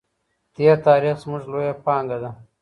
تېر تاریخ زموږ لویه پانګه ده.